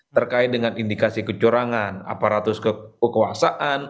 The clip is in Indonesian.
terkait dengan indikasi kecurangan aparatus kekuasaan